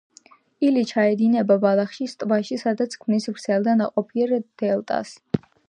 ილი ჩაედინება ბალხაშის ტბაში, სადაც ქმნის ვრცელ და ნაყოფიერ დელტას.